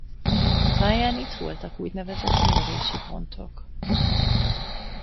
A pályán itt voltak úgynevezett mérési pontok.